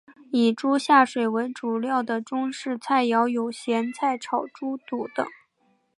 以猪下水为主料的中式菜肴有咸菜炒猪肚等。